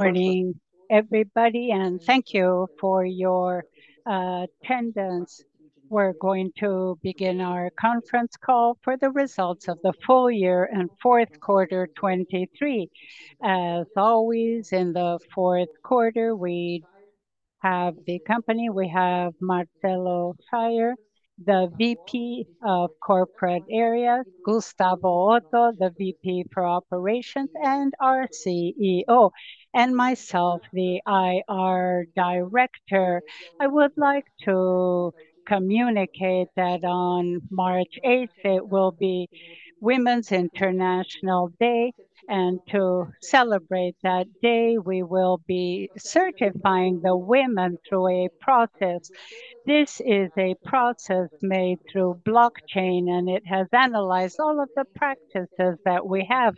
Morning, everybody, thank you for your attendance. We're going to begin our conference call for the results of the full year and fourth quarter 2023. As always, in the fourth quarter, we have the company, we have Marcelo Hampshire, the VP of Corporate Area, Gustavo Otto, the VP for Operations, and our CEO, and myself, the IR Director. I would like to communicate that on March 8th it will be Women's International Day. To celebrate that day, we will be certifying the women through a process. This is a process made through blockchain, and it has analyzed all of the practices that we have: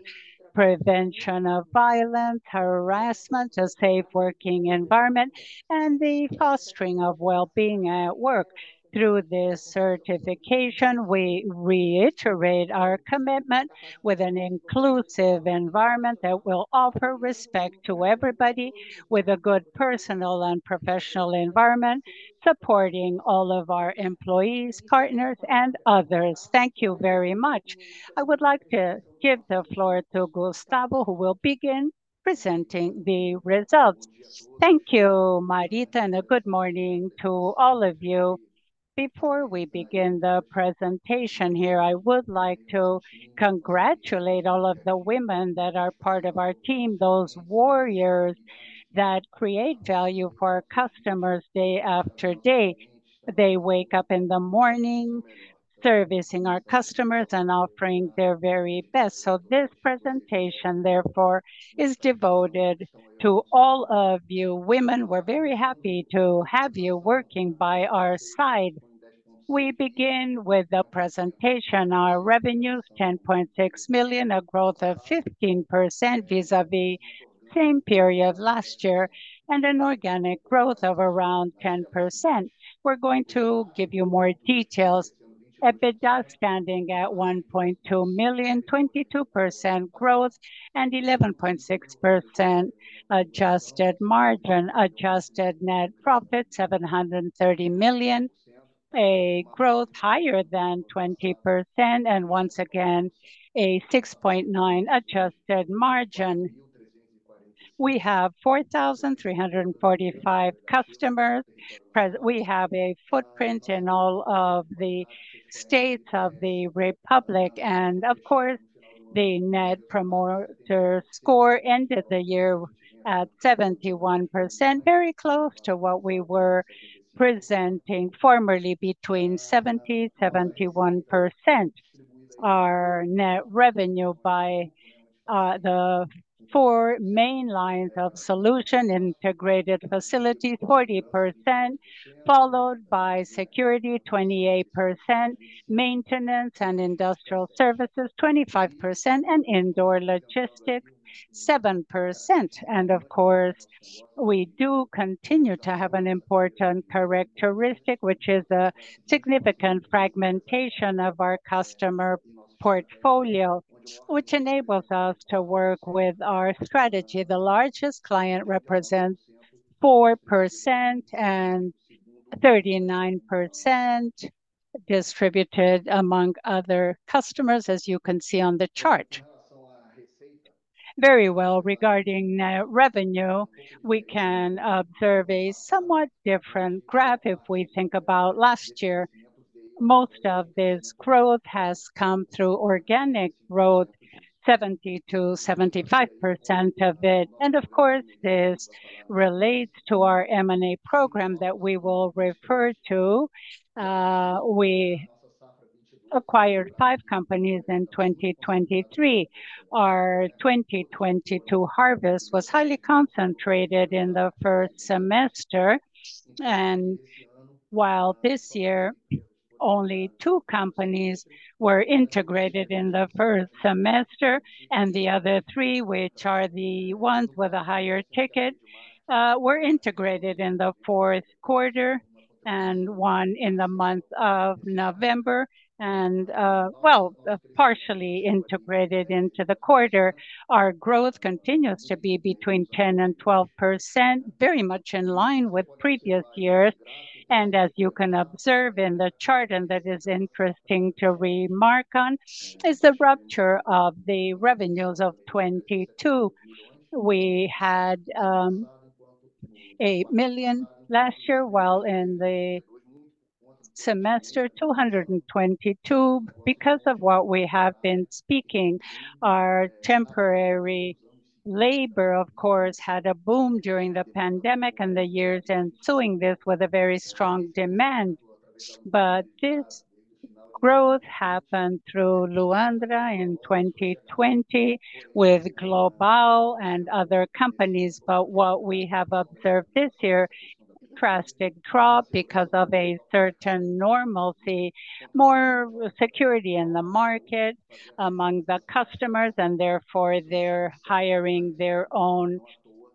prevention of violence, harassment, a safe working environment, and the fostering of wellbeing at work. Through this certification, we reiterate our commitment with an inclusive environment that will offer respect to everybody with a good personal and professional environment, supporting all of our employees, partners, and others. Thank you very much. I would like to give the floor to Gustavo, who will begin presenting the results. Thank you, Marita. A good morning to all of you. Before we begin the presentation here, I would like to congratulate all of the women that are part of our team, those warriors that create value for our customers day after day. They wake up in the morning servicing our customers and offering their very best. This presentation, therefore, is devoted to all of you women. We're very happy to have you working by our side. We begin with the presentation. Our revenues, 10.6 million, a growth of 15% vis-à-vis same period last year, an organic growth of around 10%. We're going to give you more details. EBITDA standing at 1.2 million, 22% growth and 11.6% adjusted margin. Adjusted net profit, 730 million, a growth higher than 20%, and once again, a 6.9% adjusted margin. We have 4,345 customers. We have a footprint in all of the states of the Republic. Of course, the Net Promoter Score ended the year at 71%, very close to what we were presenting formerly between 70%, 71%. Our net revenue by the four main lines of solution: integrated facilities, 40%; followed by security, 28%; maintenance and industrial services, 25%; and intralogistics, 7%. Of course, we do continue to have an important characteristic, which is a significant fragmentation of our customer portfolio, which enables us to work with our strategy. The largest client represents 4%, and 39% distributed among other customers, as you can see on the chart. Very well. Regarding net revenue, we can observe a somewhat different graph if we think about last year. Most of this growth has come through organic growth, 70%-75% of it. Of course, this relates to our M&A program that we will refer to. We acquired five companies in 2023. Our 2022 harvest was highly concentrated in the first semester, while this year only two companies were integrated in the first semester, the other three, which are the ones with a higher ticket, were integrated in the fourth quarter, one in the month of November. Well, partially integrated into the quarter. Our growth continues to be between 10% and 12%, very much in line with previous years. As you can observe in the chart, that is interesting to remark on, is the rupture of the revenues of 2022. We had 8 million last year, while in the semester, 222 million, because of what we have been speaking, our temporary labor, of course, had a boom during the pandemic and the years ensuing this with a very strong demand. This growth happened through Luandre in 2020 with Global and other companies. What we have observed this year, drastic drop because of a certain normalcy, more security in the market among the customers, and therefore they're hiring their own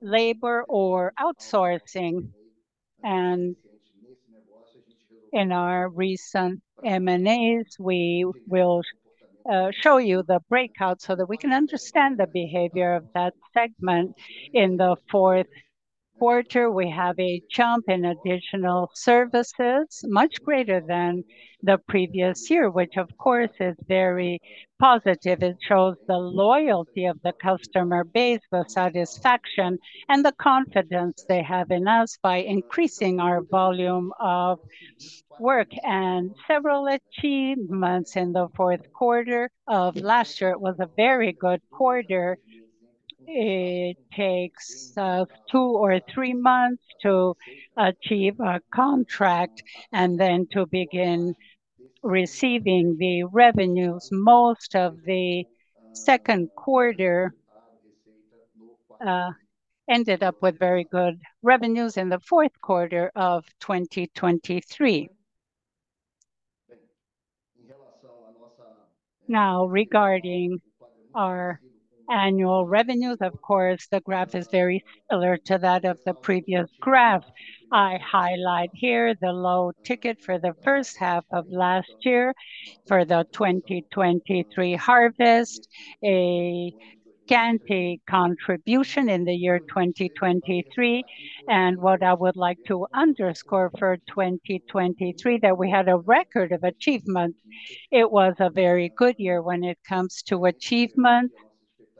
labor or outsourcing. In our recent M&As, we will show you the breakout so that we can understand the behavior of that segment. In the fourth quarter, we have a jump in additional services, much greater than the previous year, which of course is very positive. It shows the loyalty of the customer base, the satisfaction, and the confidence they have in us by increasing our volume of work. Several achievements in the fourth quarter of last year. It was a very good quarter. It takes two or three months to achieve a contract and then to begin receiving the revenues. Most of the second quarter ended up with very good revenues in the fourth quarter of 2023. Regarding our annual revenues, of course, the graph is very similar to that of the previous graph. I highlight here the low ticket for the first half of last year for the 2023 harvest, a scanty contribution in the year 2023. What I would like to underscore for 2023 that we had a record of achievement. It was a very good year when it comes to achievement.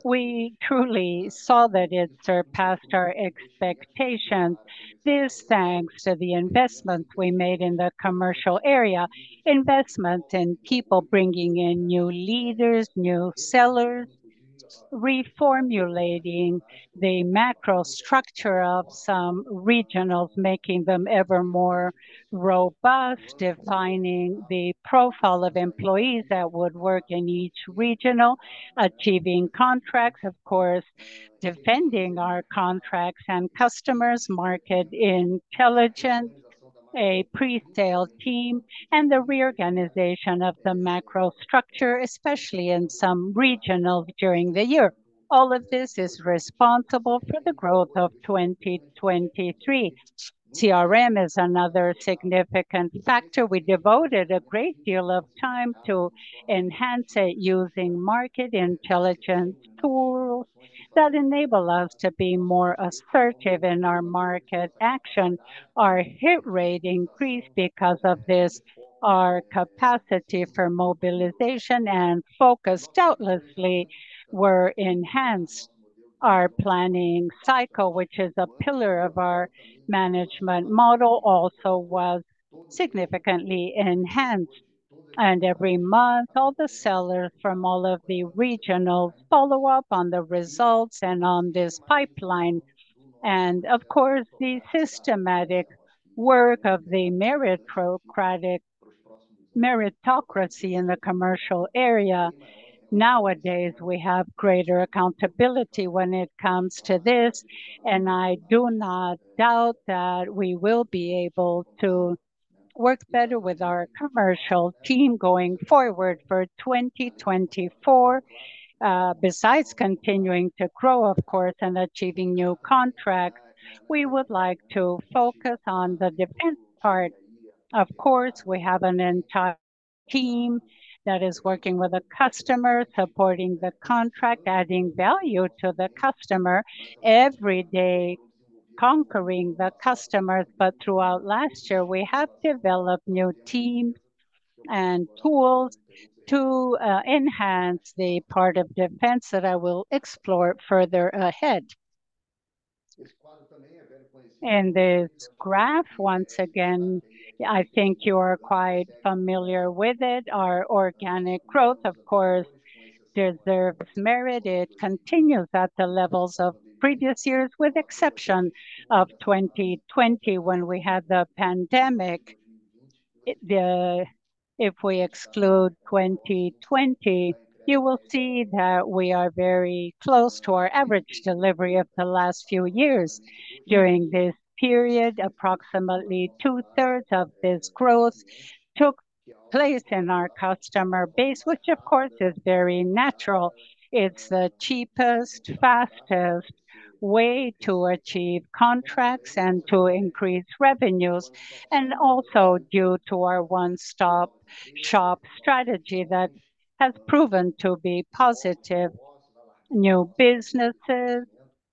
We truly saw that it surpassed our expectations. This thanks to the investment we made in the commercial area, investment in people, bringing in new leaders, new sellers, reformulating the macro structure of some regionals, making them ever more robust, defining the profile of employees that would work in each regional, achieving contracts, of course, defending our contracts and customers, market intelligence, a pre-sale team, and the reorganization of the macro structure, especially in some regionals during the year. All of this is responsible for the growth of 2023. CRM is another significant factor. We devoted a great deal of time to enhance it using market intelligence tools that enable us to be more assertive in our market action. Our hit rate increased because of this. Our capacity for mobilization and focus doubtlessly were enhanced. Our planning cycle, which is a pillar of our management model, also was significantly enhanced. Every month, all the sellers from all of the regionals follow up on the results and on this pipeline. Of course, the systematic work of the meritocracy in the commercial area. Nowadays, we have greater accountability when it comes to this, and I do not doubt that we will be able to work better with our commercial team going forward for 2024. Besides continuing to grow, of course, and achieving new contracts, we would like to focus on the defense part. Of course, we have an entire team that is working with the customer, supporting the contract, adding value to the customer every day, conquering the customers. Throughout last year, we have developed new teams and tools to enhance the part of defense that I will explore further ahead. In this graph, once again, I think you're quite familiar with it. Our organic growth, of course, deserves merit. It continues at the levels of previous years, with exception of 2020 when we had the pandemic. If we exclude 2020, you will see that we are very close to our average delivery of the last few years. During this period, approximately 2/3 of this growth took place in our customer base, which of course is very natural. It's the cheapest, fastest way to achieve contracts and to increase revenues, and also due to our one-stop shop strategy that has proven to be positive. New businesses,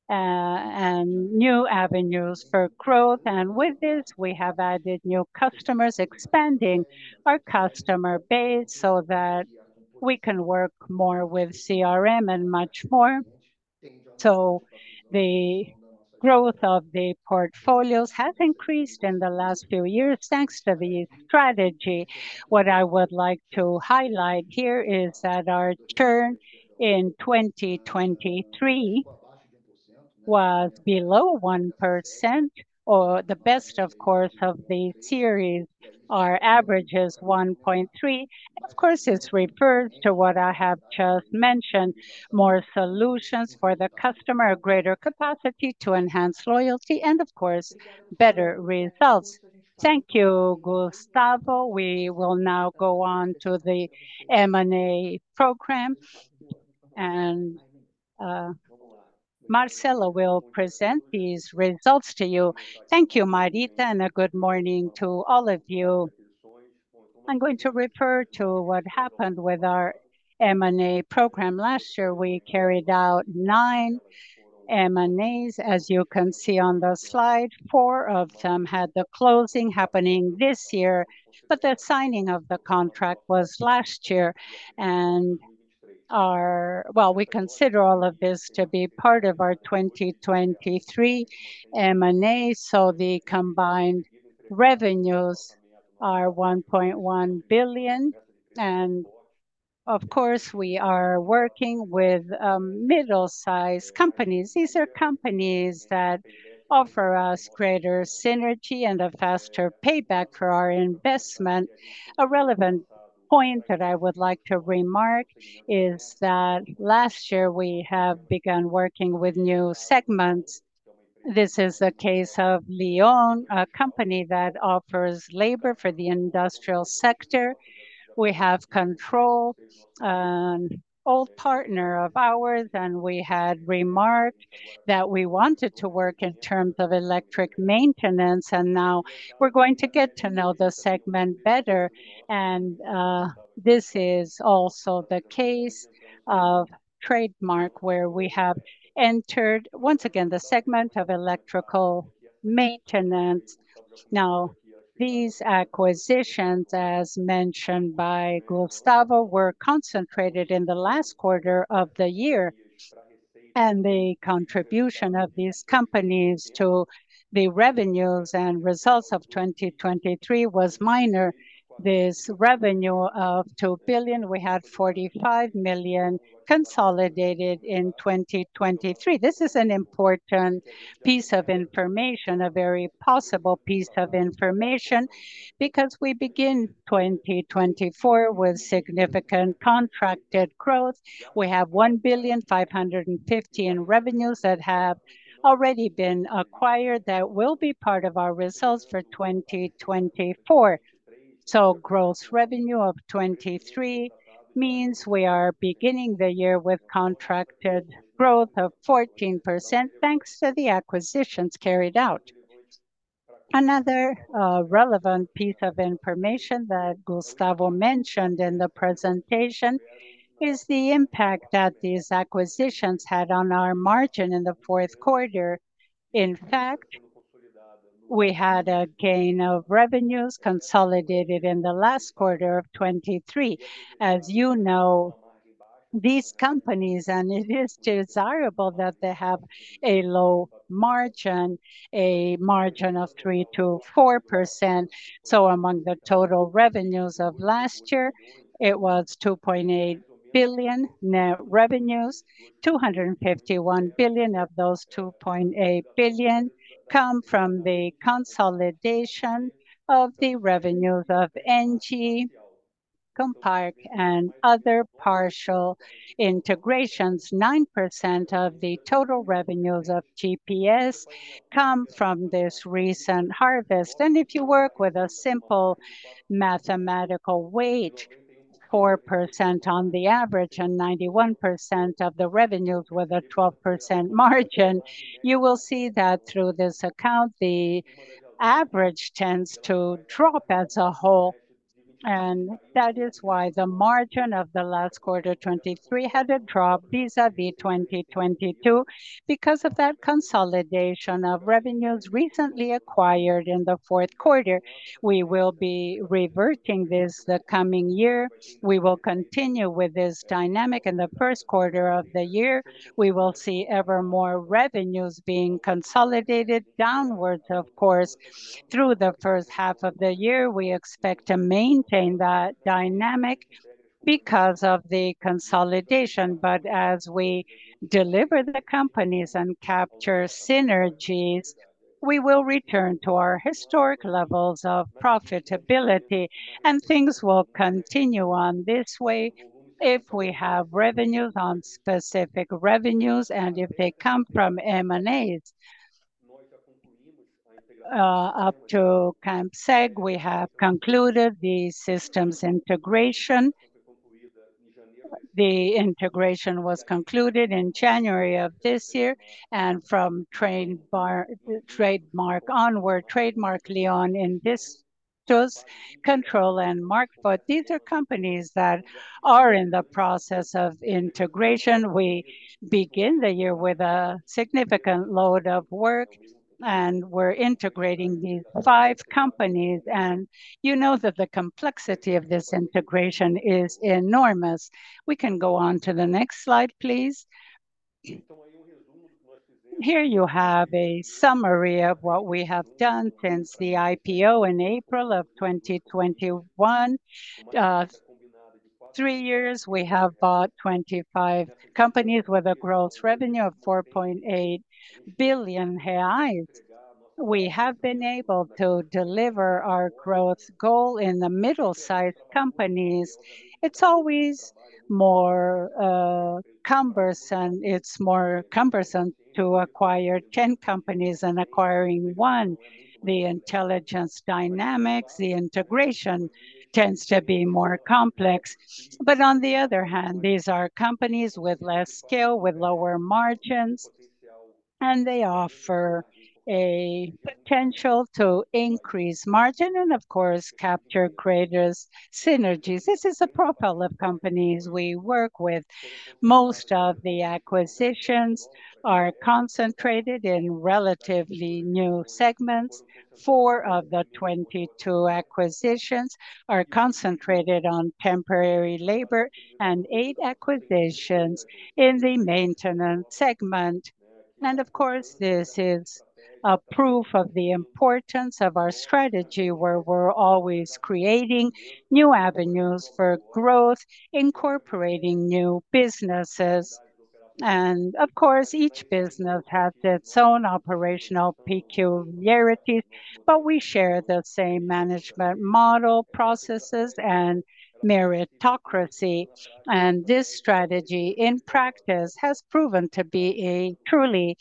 and new avenues for growth. With this, we have added new customers, expanding our customer base so that we can work more with CRM and much more. The growth of the portfolios has increased in the last few years, thanks to the strategy. What I would like to highlight here is that our churn in 2023 was below 1%, or the best, of course, of the series. Our average is 1.3%. Of course, this refers to what I have just mentioned, more solutions for the customer, a greater capacity to enhance loyalty, and of course, better results. Thank you, Gustavo. We will now go on to the M&A program. Marcelo will present these results to you. Thank you, Marita, and a good morning to all of you. I'm going to refer to what happened with our M&A program last year. We carried out nine M&As. As you can see on the slide, four of them had the closing happening this year, but the signing of the contract was last year. Well, we consider all of this to be part of our 2023 M&A. The combined revenues are 1.1 billion. Of course, we are working with middle-size companies. These are companies that offer us greater synergy and a faster payback for our investment. A relevant point that I would like to remark is that last year we have begun working with new segments. This is the case of Lyon, a company that offers labor for the industrial sector. We have Control, an old partner of ours, and we had remarked that we wanted to work in terms of electric maintenance, and now we're going to get to know the segment better. This is also the case of Trademark, where we have entered, once again, the segment of electrical maintenance. These acquisitions, as mentioned by Gustavo, were concentrated in the last quarter of the year, and the contribution of these companies to the revenues and results of 2023 was minor. This revenue of 2 billion, we had 45 million consolidated in 2023. This is an important piece of information, a very possible piece of information, because we begin 2024 with significant contracted growth. We have 1.55 billion in revenues that have already been acquired that will be part of our results for 2024. Gross revenue of 2023 means we are beginning the year with contracted growth of 14%, thanks to the acquisitions carried out. Another relevant piece of information that Gustavo mentioned in the presentation is the impact that these acquisitions had on our margin in the fourth quarter. In fact, we had a gain of revenues consolidated in the last quarter of 2023. As you know, these companies, it is desirable that they have a low margin, a margin of 3%-4%. Among the total revenues of last year, it was 2.8 billion net revenues. 251 billion of those 2.8 billion come from the consolidation of the revenues of ENGIE, Compart, and other partial integrations. 9% of the total revenues of GPS come from this recent harvest. If you work with a simple mathematical weight, 4% on the average and 91% of the revenues with a 12% margin, you will see that through this account, the average tends to drop as a whole. That is why the margin of the last quarter, 2023, had a drop vis-à-vis 2022. Because of that consolidation of revenues recently acquired in the fourth quarter, we will be reverting this the coming year. We will continue with this dynamic in the first quarter of the year. We will see ever more revenues being consolidated downwards, of course. Through the first half of the year, we expect to maintain that dynamic because of the consolidation. As we deliver the companies and capture synergies, we will return to our historic levels of profitability, and things will continue on this way if we have revenues on specific revenues, and if they come from M&As. Up to Campseg, we have concluded the systems integration. The integration was concluded in January of this year, and from Trademark onward, Trademark Lyon, In-Haus, Control and Martfood. These are companies that are in the process of integration. We begin the year with a significant load of work. We're integrating these five companies. You know that the complexity of this integration is enormous. We can go on to the next slide, please. Here you have a summary of what we have done since the IPO in April of 2021. Three years, we have bought 25 companies with a gross revenue of 4.8 billion reais. We have been able to deliver our growth goal in the middle-sized companies. It's always more cumbersome. It's more cumbersome to acquire 10 companies than acquiring one. The intelligence dynamics, the integration tends to be more complex. On the other hand, these are companies with less scale, with lower margins. They offer a potential to increase margin and of course capture greater synergies. This is a profile of companies we work with. Most of the acquisitions are concentrated in relatively new segments. Four of the 22 acquisitions are concentrated on temporary labor, and eight acquisitions in the maintenance segment. Of course, this is a proof of the importance of our strategy, where we're always creating new avenues for growth, incorporating new businesses. Of course, each business has its own operational peculiarities, but we share the same management model, processes, and meritocracy. This strategy in practice has proven to be a truly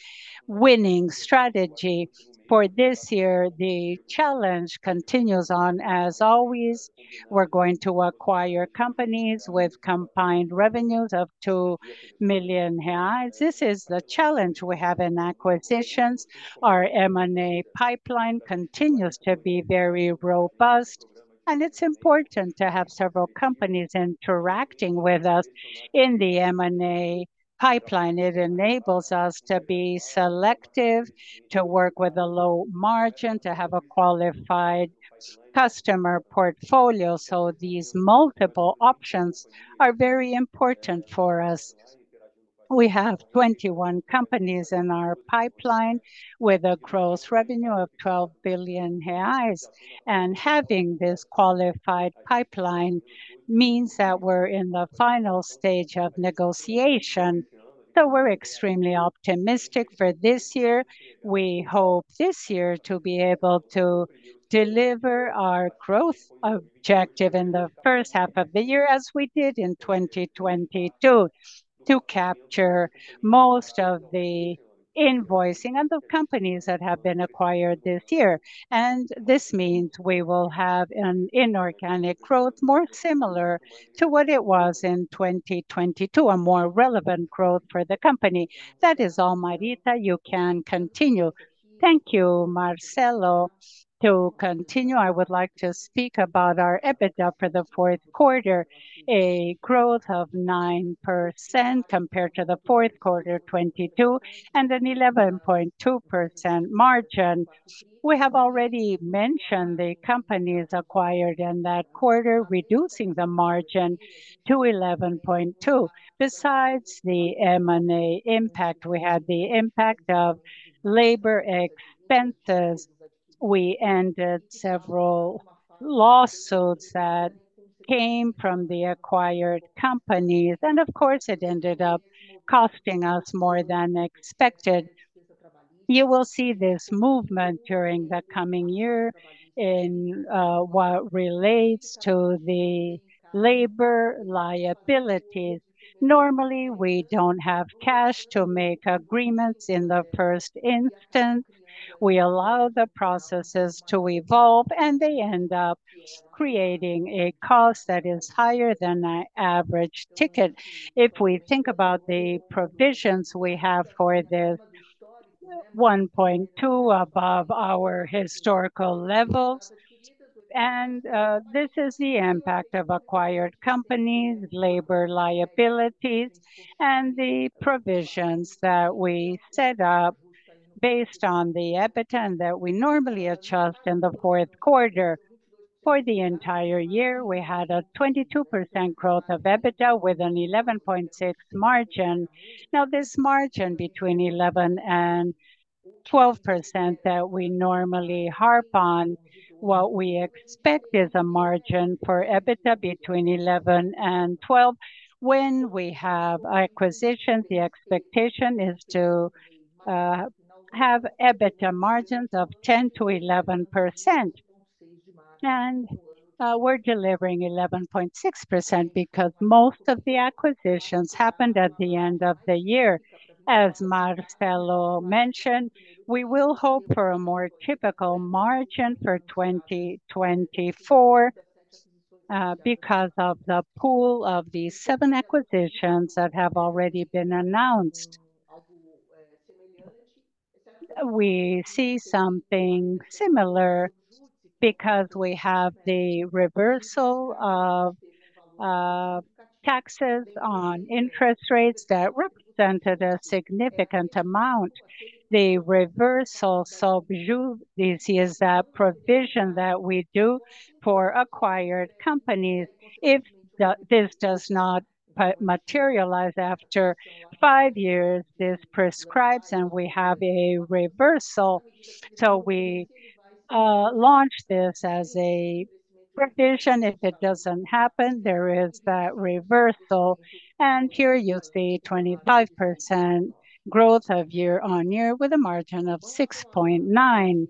winning strategy. For this year, the challenge continues on as always. We're going to acquire companies with combined revenues of 2 million reais. This is the challenge we have in acquisitions. Our M&A pipeline continues to be very robust, and it's important to have several companies interacting with us in the M&A pipeline. It enables us to be selective, to work with a low margin, to have a qualified customer portfolio. These multiple options are very important for us. We have 21 companies in our pipeline with a gross revenue of 12 billion reais. Having this qualified pipeline means that we're in the final stage of negotiation. We're extremely optimistic for this year. We hope this year to be able to deliver our growth objective in the first half of the year, as we did in 2022, to capture most of the invoicing and the companies that have been acquired this year. This means we will have an inorganic growth more similar to what it was in 2022, a more relevant growth for the company. That is all, Marita. You can continue. Thank you, Marcelo. To continue, I would like to speak about our EBITDA for the fourth quarter, a growth of 9% compared to the fourth quarter 2022, and an 11.2% margin. We have already mentioned the companies acquired in that quarter, reducing the margin to 11.2%. Besides the M&A impact, we had the impact of labor expenses. We ended several lawsuits that came from the acquired companies, and of course, it ended up costing us more than expected. You will see this movement during the coming year in what relates to the labor liabilities. Normally, we don't have cash to make agreements in the first instance. We allow the processes to evolve, and they end up creating a cost that is higher than the average ticket. If we think about the provisions we have for this, 1.2% above our historical levels. This is the impact of acquired companies, labor liabilities, and the provisions that we set up based on the EBITDA and that we normally adjust in the fourth quarter. For the entire year, we had a 22% growth of EBITDA with an 11.6% margin. This margin between 11% and 12% that we normally harp on, what we expect is a margin for EBITDA between 11% and 12%. When we have acquisitions, the expectation is to have EBITDA margins of 10%-11%. We're delivering 11.6% because most of the acquisitions happened at the end of the year. As Marcelo mentioned, we will hope for a more typical margin for 2024 because of the pool of the seven acquisitions that have already been announced. We see something similar because we have the reversal of taxes on interest rates that represented a significant amount. The reversal this is a provision that we do for acquired companies. If this does not materialize after five years, this prescribes, we have a reversal. We launch this as a provision. If it doesn't happen, there is that reversal. Here you see 25% growth of year-on-year with a margin of 6.9%.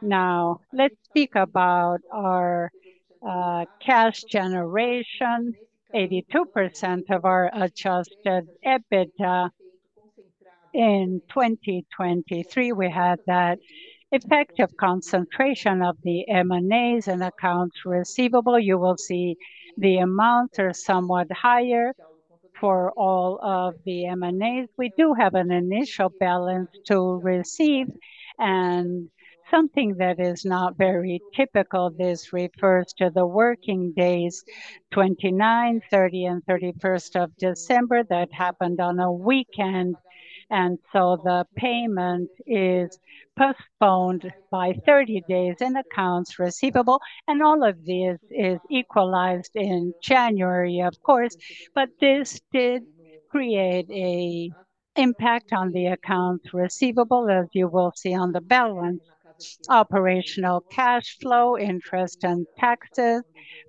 Now, let's speak about our cash generation. 82% of our adjusted EBITDA in 2023, we had that effect of concentration of the M&As and accounts receivable. You will see the amounts are somewhat higher for all of the M&As. We do have an initial balance to receive. Something that is not very typical, this refers to the working days 29, 30, and 31st of December that happened on a weekend. The payment is postponed by 30 days in accounts receivable. All of this is equalized in January, of course. This did create a impact on the accounts receivable, as you will see on the balance. Operational cash flow, interest and taxes,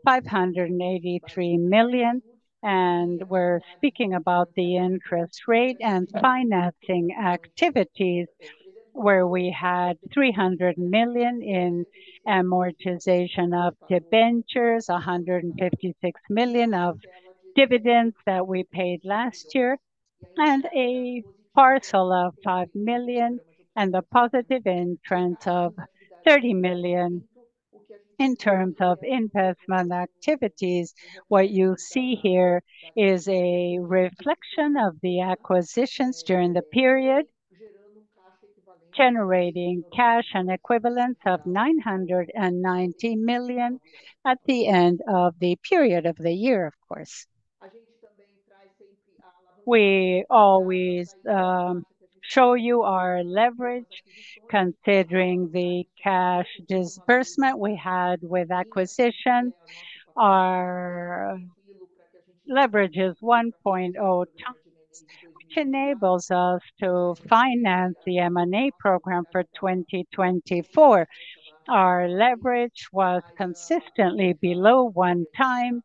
583 million. We're speaking about the interest rate and financing activities where we had 300 million in amortization of debentures, 156 million of dividends that we paid last year, and a parcel of 5 million and a positive entrance of 30 million. In terms of investment activities, what you see here is a reflection of the acquisitions during the period, generating cash and equivalents of 990 million at the end of the period of the year, of course. We always show you our leverage considering the cash disbursement we had with acquisitions. Our leverage is 1.0x, which enables us to finance the M&A program for 2024. Our leverage was consistently below 1x,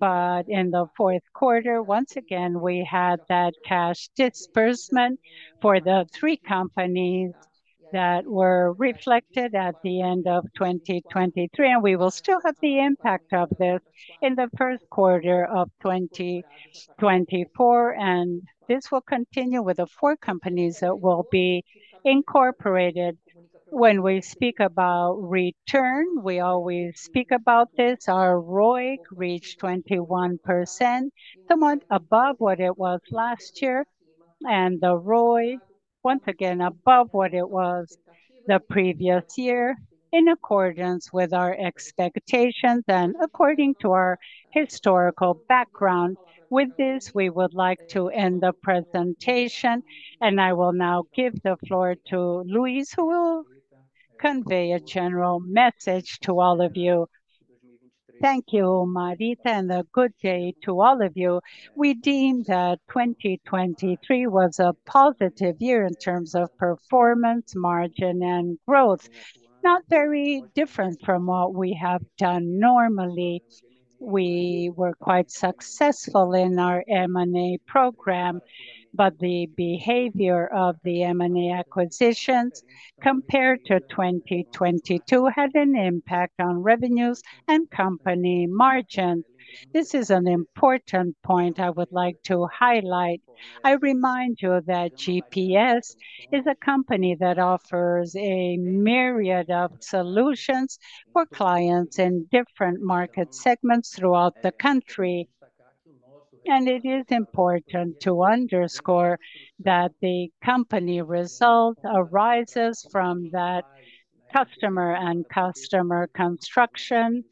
but in the fourth quarter, once again, we had that cash disbursement for the three companies that were reflected at the end of 2023, and we will still have the impact of this in the first quarter of 2024. This will continue with the four companies that will be incorporated. When we speak about return, we always speak about this. Our ROIC reached 21%, somewhat above what it was last year. The ROI, once again above what it was the previous year in accordance with our expectations and according to our historical background. With this, we would like to end the presentation, and I will now give the floor to Luis, who will convey a general message to all of you. Thank you, Marita, and a good day to all of you. We deemed that 2023 was a positive year in terms of performance, margin and growth. Not very different from what we have done normally. We were quite successful in our M&A program, the behavior of the M&A acquisitions compared to 2022 had an impact on revenues and company margin. This is an important point I would like to highlight. I remind you that GPS is a company that offers a myriad of solutions for clients in different market segments throughout the country. It is important to underscore that the company result arises from that customer and customer construction.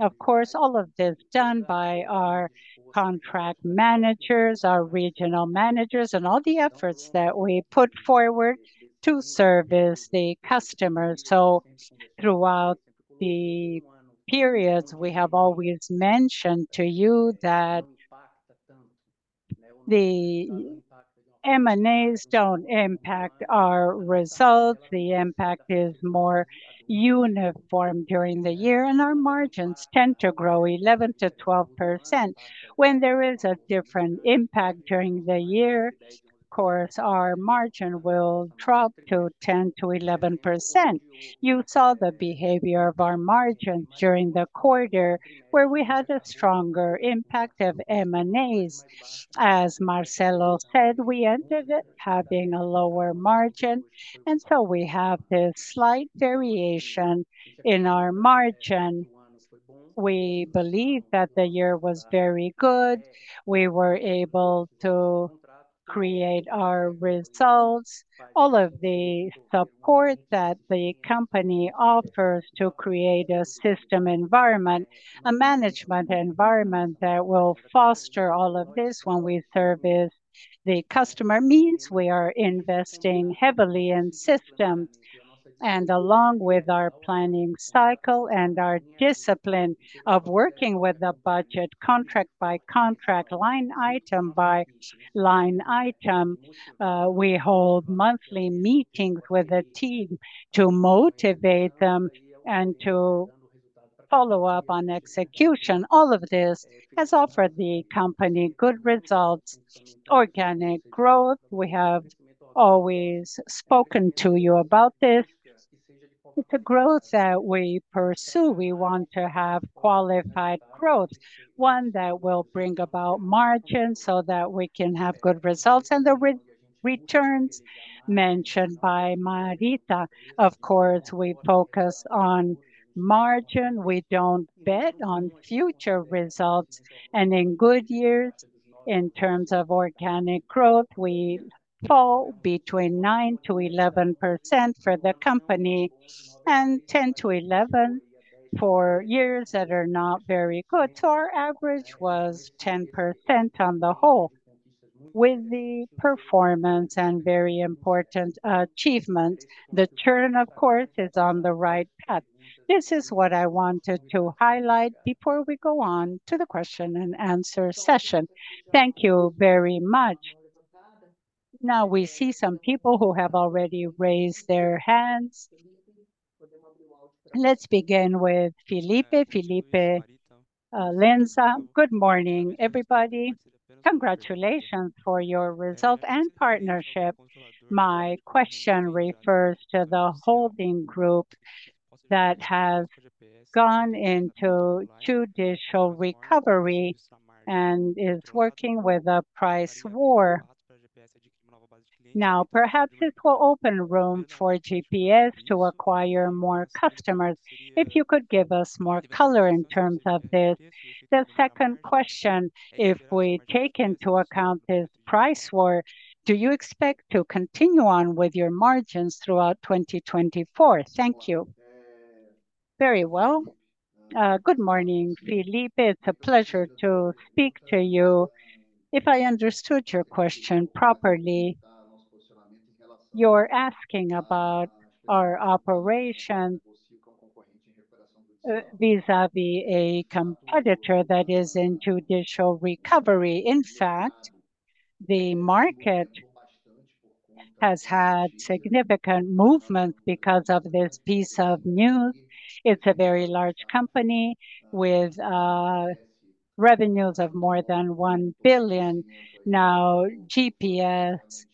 Of course, all of this done by our contract managers, our regional managers, and all the efforts that we put forward to service the customers. Throughout the periods, we have always mentioned to you that the M&As don't impact our results. The impact is more uniform during the year, and our margins tend to grow 11%-12%. When there is a different impact during the year, of course, our margin will drop to 10%-11%. You saw the behavior of our margin during the quarter where we had a stronger impact of M&As. As Marcelo said, we entered it having a lower margin, so we have this slight variation in our margin. We believe that the year was very good. We were able to create our results. All of the support that the company offers to create a system environment, a management environment that will foster all of this when we service the customer means we are investing heavily in systems. Along with our planning cycle and our discipline of working with the budget contract by contract, line item by line item, we hold monthly meetings with the team to motivate them and to follow up on execution. All of this has offered the company good results. Organic growth, we have always spoken to you about this. It's a growth that we pursue. We want to have qualified growth, one that will bring about margins so that we can have good results. The returns mentioned by Marita, of course, we focus on margin. We don't bet on future results. In good years, in terms of organic growth, we fall between 9%-11% for the company, and 10%-11% for years that are not very good. Our average was 10% on the whole. With the performance and very important achievement, the churn, of course, is on the right path. This is what I wanted to highlight before we go on to the question-and-answer session. Thank you very much. Now we see some people who have already raised their hands. Let's begin with Felipe. Felipe Lenza. Good morning, everybody. Congratulations for your result and partnership. My question refers to the holding group that has gone into judicial recovery and is working with a price war. Perhaps this will open room for GPS to acquire more customers. If you could give us more color in terms of this. The second question, if we take into account this price war, do you expect to continue on with your margins throughout 2024? Thank you. Very well. Good morning, Felipe. It's a pleasure to speak to you. If I understood your question properly, you're asking about our operation vis-à-vis a competitor that is in judicial recovery. In fact, the market has had significant movement because of this piece of news. It's a very large company with revenues of more than 1 billion. GPS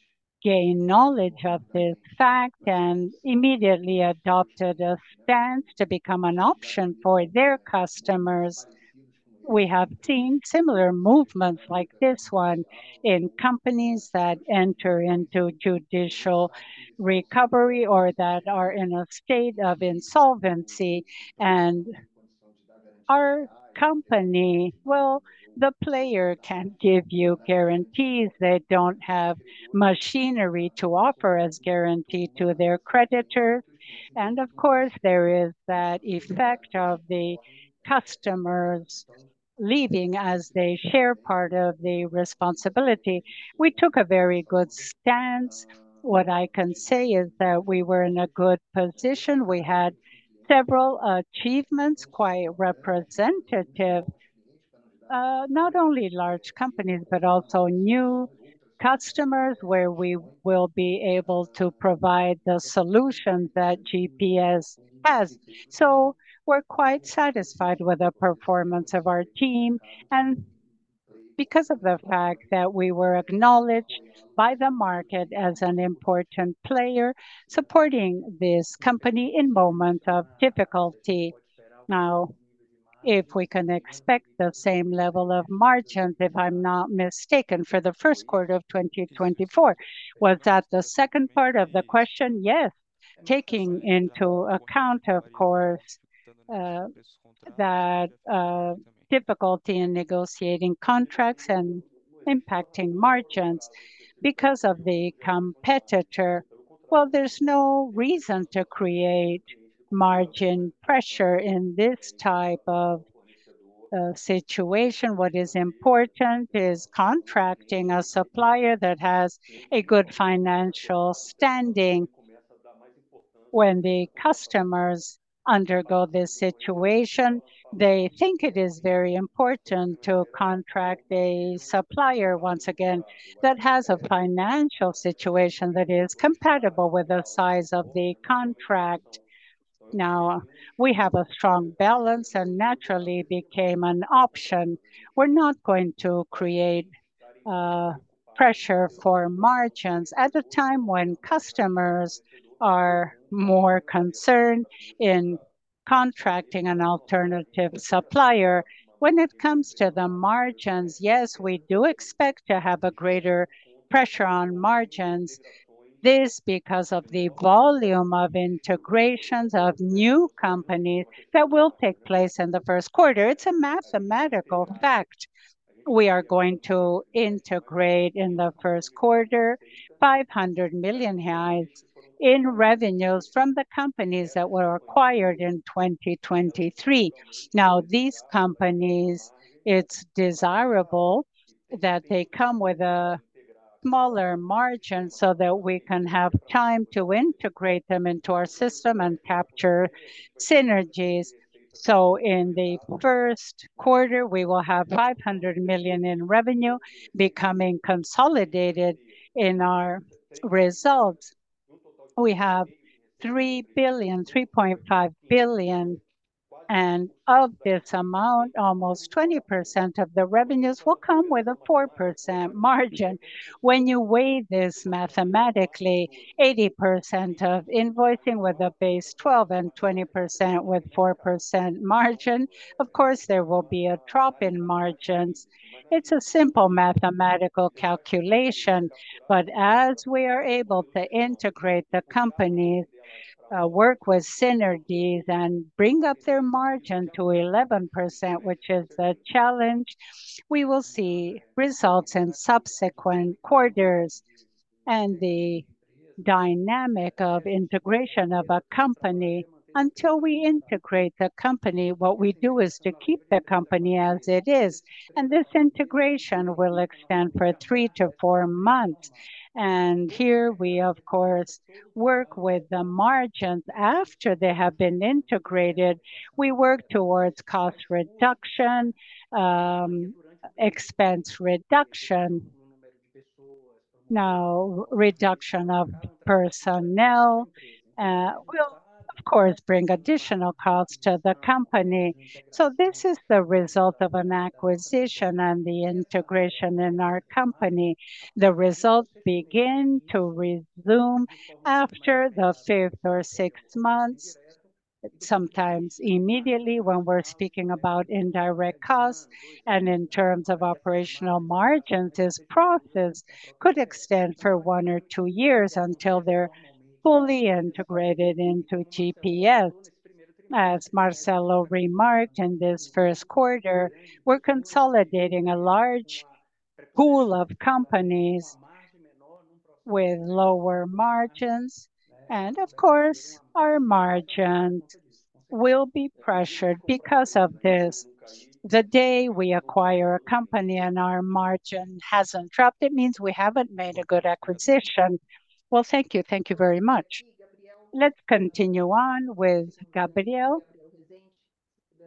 gained knowledge of this fact and immediately adopted a stance to become an option for their customers. We have seen similar movements like this one in companies that enter into judicial recovery or that are in a state of insolvency. Well, the player can't give you guarantees. They don't have machinery to offer as guarantee to their creditor. Of course, there is that effect of the customers leaving as they share part of the responsibility. We took a very good stance. What I can say is that we were in a good position. We had several achievements, quite representative, not only large companies, but also new customers where we will be able to provide the solution that GPS has. We're quite satisfied with the performance of our team, and because of the fact that we were acknowledged by the market as an important player supporting this company in moment of difficulty. Now, if we can expect the same level of margins, if I'm not mistaken, for the first quarter of 2024. Was that the second part of the question? Yes. Taking into account, of course, that difficulty in negotiating contracts and impacting margins because of the competitor. Well, there's no reason to create margin pressure in this type of situation. What is important is contracting a supplier that has a good financial standing. When the customers undergo this situation, they think it is very important to contract a supplier once again that has a financial situation that is compatible with the size of the contract. Now, we have a strong balance, and we naturally became an option. We're not going to create pressure for margins at a time when customers are more concerned in contracting an alternative supplier. When it comes to the margins, yes, we do expect to have a greater pressure on margins. Because of the volume of integrations of new companies that will take place in the first quarter. It's a mathematical fact. We are going to integrate in the first quarter 500 million in revenues from the companies that were acquired in 2023. These companies, it's desirable that they come with a smaller margin so that we can have time to integrate them into our system and capture synergies. In the first quarter, we will have 500 million in revenue becoming consolidated in our results. We have 3.5 billion. Of this amount, almost 20% of the revenues will come with a 4% margin. When you weigh this mathematically, 80% of invoicing with a base 12% and 20% with 4% margin, of course there will be a drop in margins. It's a simple mathematical calculation. As we are able to integrate the company, work with synergies and bring up their margin to 11%, which is a challenge. We will see results in subsequent quarters. The dynamic of integration of a company, until we integrate the company, what we do is to keep the company as it is. This integration will extend for three to four months. Here we, of course, work with the margins after they have been integrated. We work towards cost reduction, expense reduction. Now, reduction of personnel will of course bring additional costs to the company. This is the result of an acquisition and the integration in our company. The results begin to resume after the fifth or sixth months, sometimes immediately when we're speaking about indirect costs. In terms of operational margins, this process could extend for one or two years until they're fully integrated into GPS. As Marcelo remarked in this first quarter, we're consolidating a large pool of companies with lower margins, and of course our margins will be pressured because of this. The day we acquire a company and our margin hasn't dropped, it means we haven't made a good acquisition. Well, thank you. Thank you very much. Let's continue on with Gabriel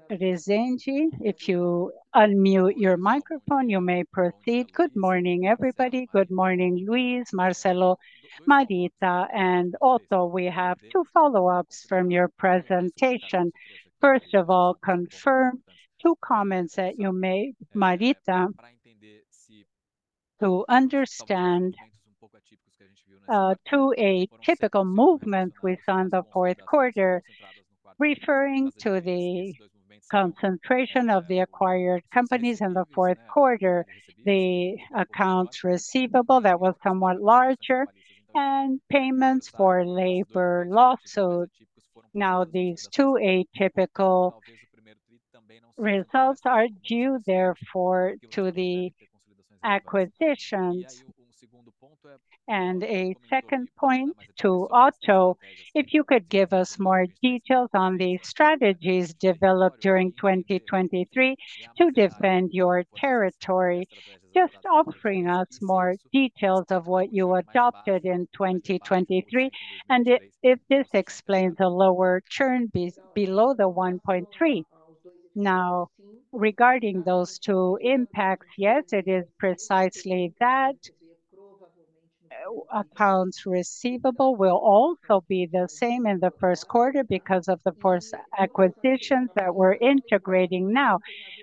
Rezende. If you unmute your microphone, you may proceed. Good morning, everybody. Good morning, Luis, Marcelo, Marita, and Otto. We have two follow-ups from your presentation. First of all, confirm two comments that you made, Marita, to understand, to a typical movement we saw in the fourth quarter, referring to the concentration of the acquired companies in the fourth quarter, the accounts receivable that was somewhat larger, and payments for labor lawsuits. These two atypical results are due therefore to the acquisitions. A second point to Otto, if you could give us more details on the strategies developed during 2023 to defend your territory. Just offering us more details of what you adopted in 2023, and if this explains the lower churn below the 1.3%. Regarding those two impacts, yes, it is precisely that. Accounts receivable will also be the same in the first quarter because of the first acquisitions that we're integrating now.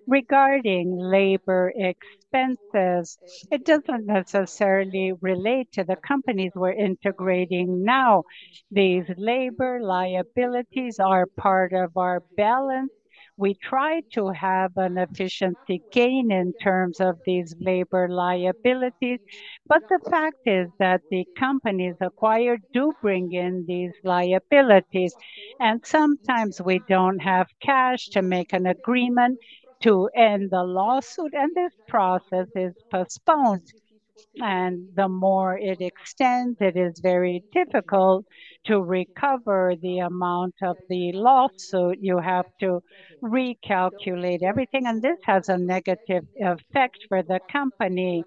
Regarding labor expenses, it doesn't necessarily relate to the companies we're integrating now. These labor liabilities are part of our balance. We try to have an addition if we can in terms of these labor liabilities. The fact is that the companies acquired do bring in these liabilities, and sometimes we don't have cash to make an agreement to end the lawsuit, and this process is postponed. The more it extends, it is very difficult to recover the amount of the lawsuit. You have to recalculate everything, and this has a negative effect for the company.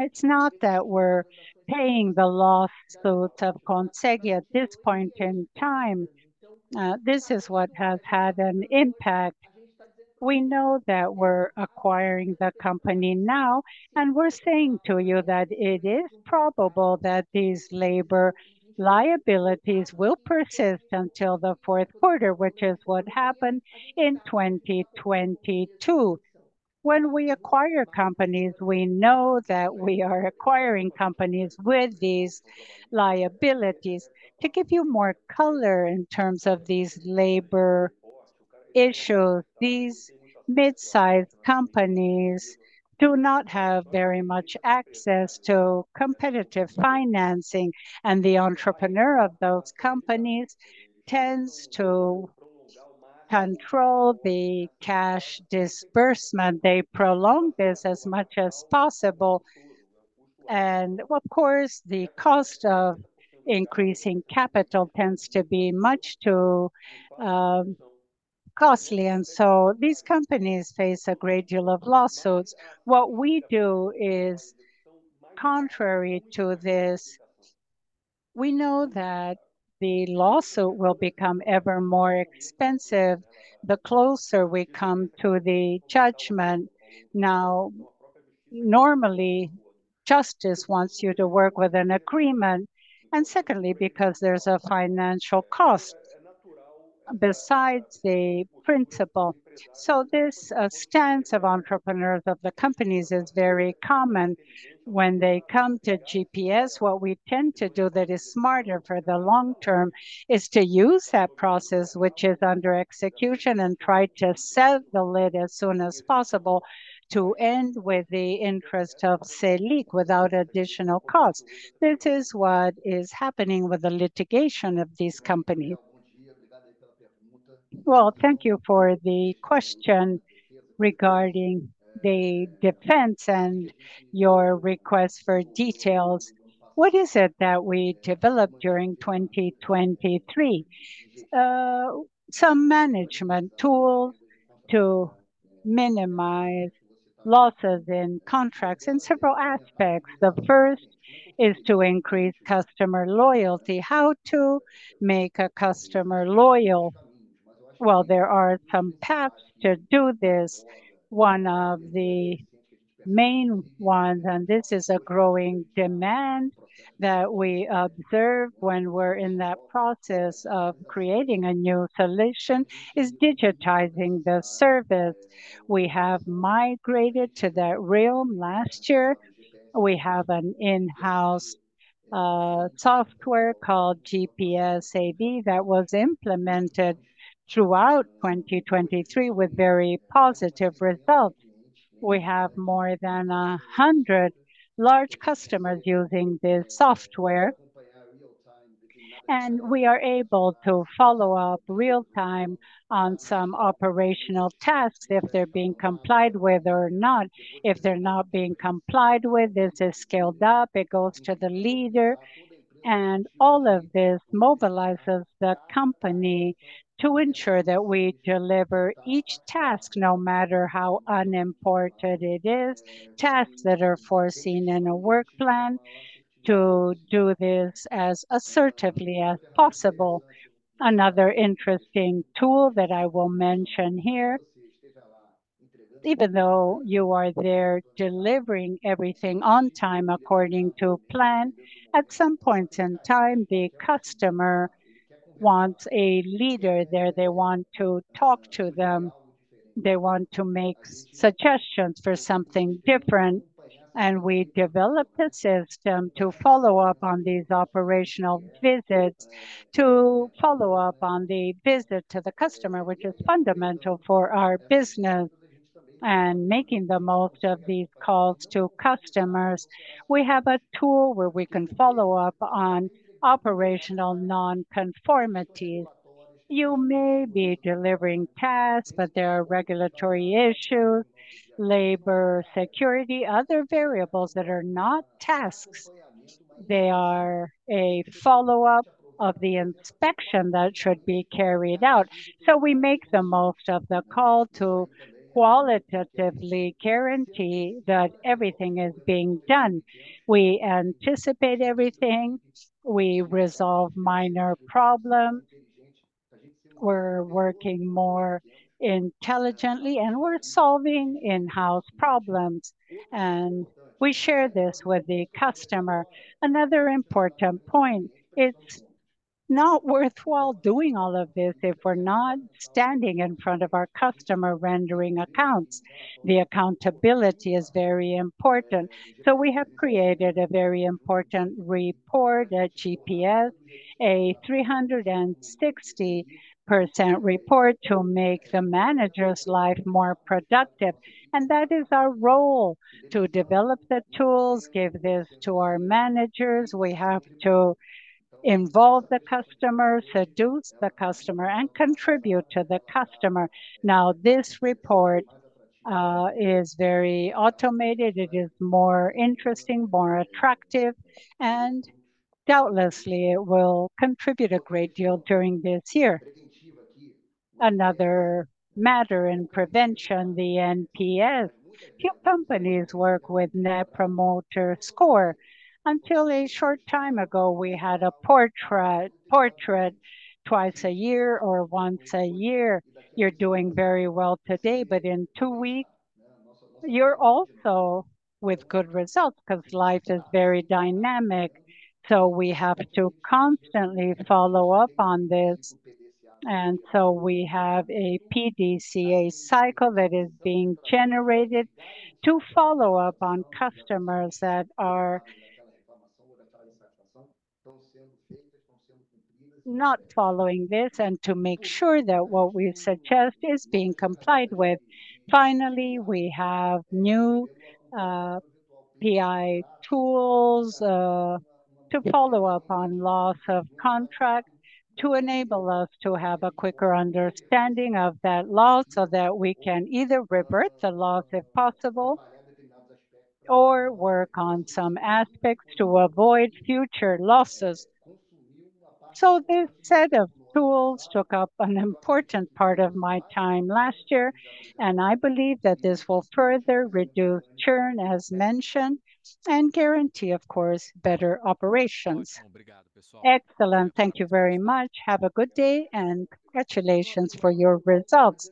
It's not that we're paying the lawsuits of Campseg at this point in time. This is what has had an impact. We know that we're acquiring the company now, we're saying to you that it is probable that these labor liabilities will persist until the fourth quarter, which is what happened in 2022. When we acquire companies, we know that we are acquiring companies with these liabilities. To give you more color in terms of these labor issues, these mid-sized companies do not have very much access to competitive financing, the entrepreneur of those companies tends to control the cash disbursement. They prolong this as much as possible. Of course, the cost of increasing capital tends to be much too costly. These companies face a great deal of lawsuits. What we do is contrary to this. We know that the lawsuit will become ever more expensive the closer we come to the judgment. Normally, justice wants you to work with an agreement. Secondly, because there's a financial cost besides the principle. This stance of entrepreneurs of the companies is very common. When they come to GPS, what we tend to do that is smarter for the long term is to use that process which is under execution and try to settle it as soon as possible to end with the interest of Selic without additional cost. This is what is happening with the litigation of this company. Well, thank you for the question regarding the defense and your request for details. What is it that we developed during 2023? Some management tools to minimize losses in contracts in several aspects. The first is to increase customer loyalty. How to make a customer loyal? Well, there are some paths to do this. One of the main ones, and this is a growing demand that we observe when we're in that process of creating a new solution, is digitizing the service. We have migrated to that realm last year. We have an in-house software called GPS AB that was implemented throughout 2023 with very positive results. We have more than 100 large customers using this software. We are able to follow up real time on some operational tasks, if they're being complied with or not. If they're not being complied with, this is scaled up, it goes to the leader, and all of this mobilizes the company to ensure that we deliver each task, no matter how unimportant it is, tasks that are foreseen in a work plan, to do this as assertively as possible. Another interesting tool that I will mention here, even though you are there delivering everything on time according to plan, at some point in time, the customer wants a leader there. They want to talk to them. They want to make suggestions for something different. We developed a system to follow up on these operational visits, to follow up on the visit to the customer, which is fundamental for our business and making the most of these calls to customers. We have a tool where we can follow up on operational non-conformities. You may be delivering tasks, but there are regulatory issues, labor, security, other variables that are not tasks. They are a follow-up of the inspection that should be carried out. We make the most of the call to qualitatively guarantee that everything is being done. We anticipate everything. We resolve minor problems. We are working more intelligently, and we are solving in-house problems, and we share this with the customer. Another important point, it is not worthwhile doing all of this if we are not standing in front of our customer rendering accounts. The accountability is very important. We have created a very important report at GPS, a 360% report to make the manager's life more productive. That is our role, to develop the tools, give this to our managers. We have to involve the customer, seduce the customer, and contribute to the customer. This report is very automated. It is more interesting, more attractive, and doubtlessly, it will contribute a great deal during this year. Another matter in prevention, the NPS. Few companies work with Net Promoter Score. Until a short time ago, we had a portrait twice a year or once a year. You're doing very well today, but in two weeks, you're also with good results because life is very dynamic. We have to constantly follow up on this. We have a PDCA cycle that is being generated to follow up on customers that are not following this and to make sure that what we suggest is being complied with. Finally, we have new BI tools to follow up on loss of contract to enable us to have a quicker understanding of that loss so that we can either revert the loss if possible or work on some aspects to avoid future losses. This set of tools took up an important part of my time last year, and I believe that this will further reduce churn as mentioned and guarantee, of course, better operations. Excellent. Thank you very much. Have a good day, and congratulations for your results.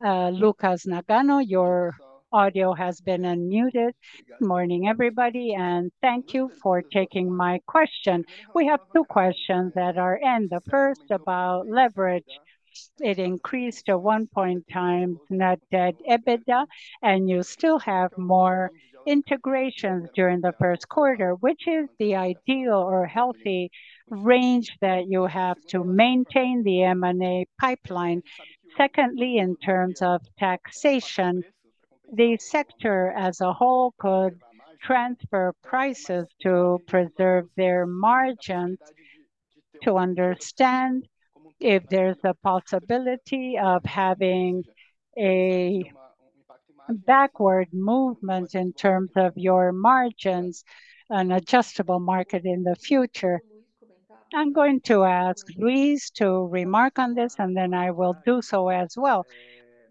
Lucas Nagano, your audio has been unmuted. Morning, everybody, and thank you for taking my question. We have two questions that are in. The first about leverage. It increased to 1.0x net debt EBITDA, and you still have more integrations during the first quarter. Which is the ideal or healthy range that you have to maintain the M&A pipeline? Secondly, in terms of taxation, the sector as a whole could transfer prices to preserve their margins. To understand if there's a possibility of having a backward movement in terms of your margins, an adjustable market in the future. I'm going to ask Luis to remark on this, and then I will do so as well.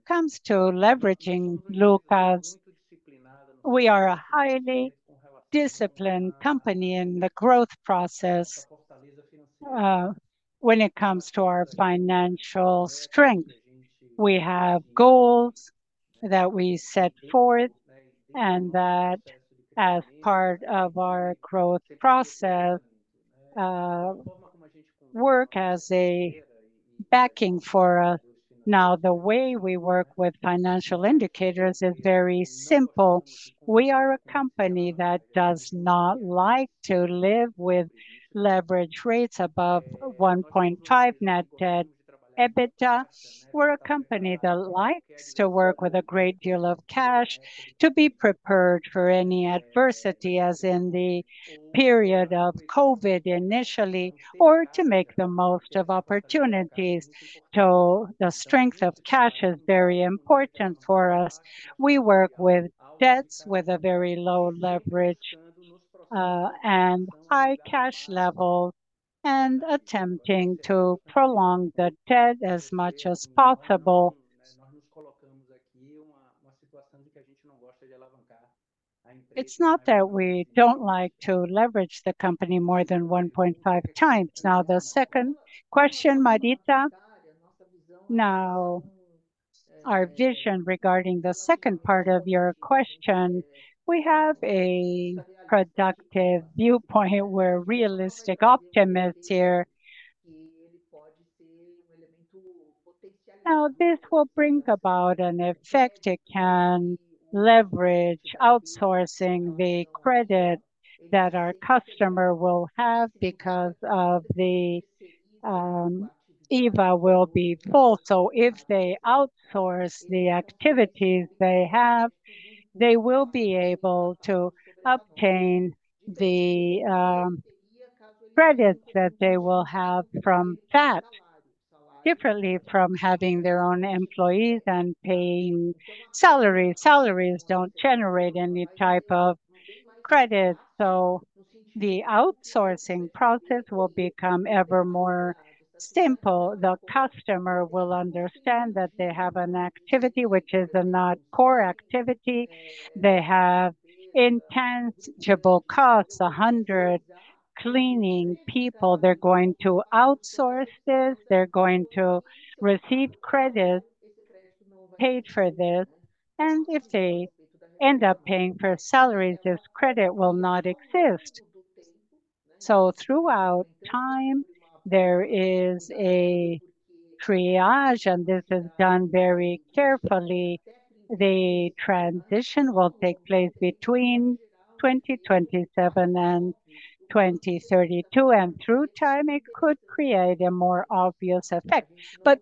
Comes to leveraging, Lucas, we are a highly disciplined company in the growth process, when it comes to our financial strength. We have goals that we set forth and that as part of our growth process, work as a backing for us. The way we work with financial indicators is very simple. We are a company that does not like to live with leverage rates above 1.5 net debt EBITDA. We're a company that likes to work with a great deal of cash to be prepared for any adversity, as in the period of COVID initially, or to make the most of opportunities. The strength of cash is very important for us. We work with debts with a very low leverage and high cash level, and attempting to prolong the debt as much as possible. It's not that we don't like to leverage the company more than 1.5x. Now, the second question, Marita. Our vision regarding the second part of your question, we have a productive viewpoint. We're realistic optimists here. This will bring about an effect. It can leverage outsourcing the credit that our customer will have because of the IVA will be full. If they outsource the activities they have, they will be able to obtain the credits that they will have from that differently from having their own employees and paying salaries. Salaries don't generate any type of credit, the outsourcing process will become ever more simple. The customer will understand that they have an activity which is a not core activity. They have intangible costs, 100 cleaning people. They're going to outsource this. They're going to receive credit paid for this, and if they end up paying for salaries, this credit will not exist. Throughout time, there is a triage, and this is done very carefully. The transition will take place between 2027 and 2032, and through time, it could create a more obvious effect.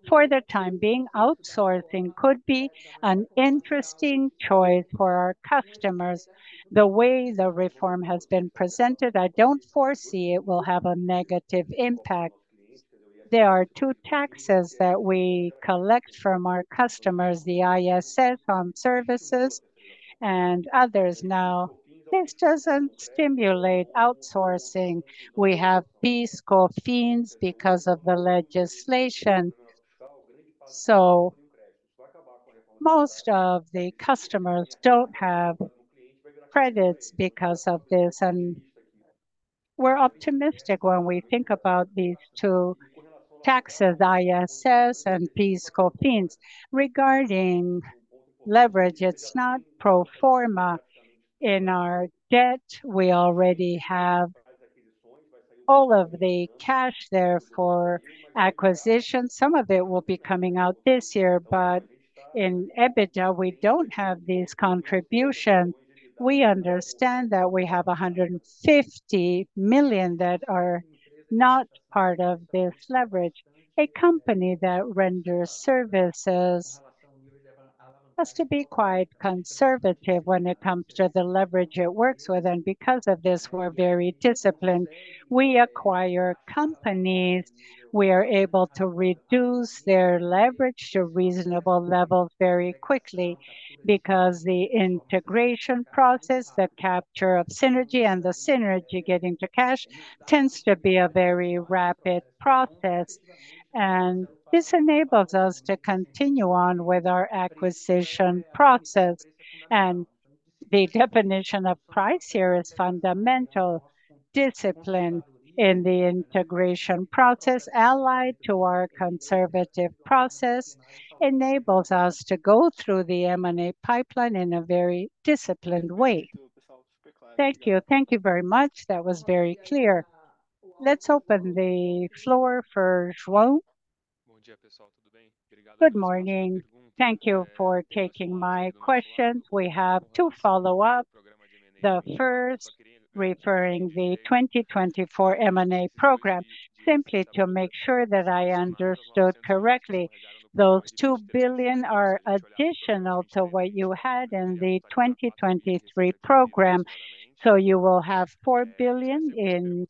For the time being, outsourcing could be an interesting choice for our customers. The way the reform has been presented, I don't foresee it will have a negative impact. There are two taxes that we collect from our customers, the ISS from services and others now. This doesn't stimulate outsourcing. We have PIS/Cofins because of the legislation, most of the customers don't have credits because of this. We're optimistic when we think about these two taxes, ISS and PIS/Cofins. Regarding leverage, it's not pro forma in our debt. We already have all of the cash there for acquisition. Some of it will be coming out this year, in EBITDA, we don't have this contribution. We understand that we have 150 million that are not part of this leverage. A company that renders services has to be quite conservative when it comes to the leverage it works with. Because of this, we're very disciplined. We acquire companies. We are able to reduce their leverage to reasonable levels very quickly because the integration process, the capture of synergy, and the synergy getting to cash tends to be a very rapid process. This enables us to continue on with our acquisition process. The definition of price here is fundamental discipline in the integration process allied to our conservative process enables us to go through the M&A pipeline in a very disciplined way. Thank you. Thank you very much. That was very clear. Let's open the floor for João. Good morning. Thank you for taking my questions. We have two follow up. The first referring the 2024 M&A program, simply to make sure that I understood correctly, those 2 billion are additional to what you had in the 2023 program, so you will have 4 billion in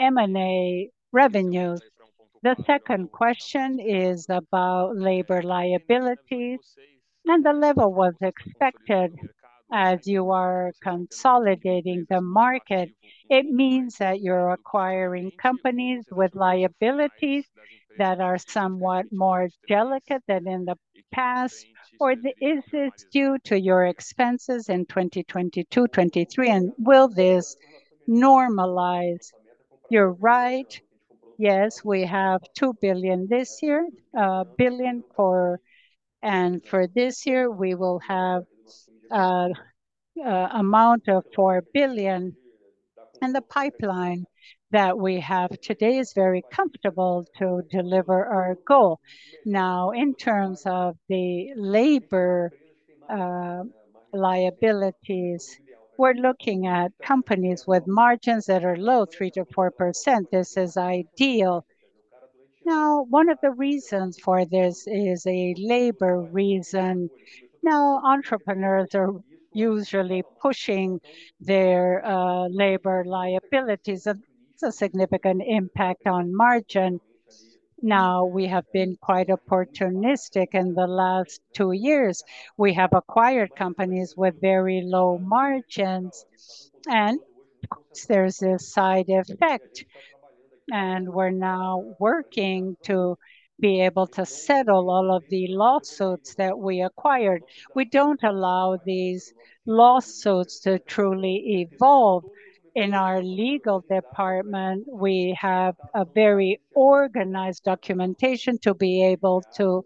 M&A revenues? The second question is about labor liabilities and the level was expected as you are consolidating the market. It means that you're acquiring companies with liabilities that are somewhat more delicate than in the past. Is this due to your expenses in 2022, 2023, and will this normalize? You're right. Yes, we have 2 billion this year. For this year we will have 4 billion, and the pipeline that we have today is very comfortable to deliver our goal. In terms of the labor liabilities, we're looking at companies with margins that are low, 3%-4%. This is ideal. One of the reasons for this is a labor reason. Entrepreneurs are usually pushing their labor liabilities. It's a significant impact on margin. We have been quite opportunistic in the last two years. We have acquired companies with very low margins, and there's a side effect, and we're now working to be able to settle all of the lawsuits that we acquired. We don't allow these lawsuits to truly evolve. In our legal department, we have a very organized documentation to be able to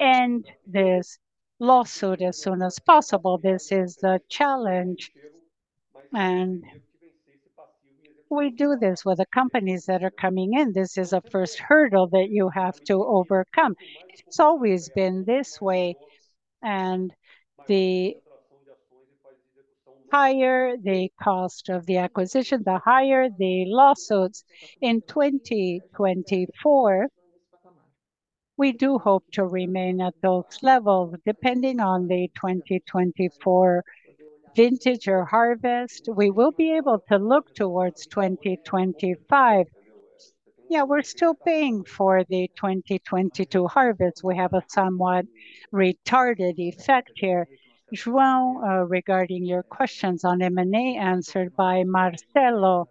end this lawsuit as soon as possible. This is the challenge, and we do this with the companies that are coming in. This is a first hurdle that you have to overcome. It's always been this way, and the higher the cost of the acquisition, the higher the lawsuits. In 2024, we do hope to remain at those levels. Depending on the 2024 vintage or harvest, we will be able to look towards 2025. Yeah, we're still paying for the 2022 harvest. We have a somewhat retarded effect here. João, regarding your questions on M&A answered by Marcelo.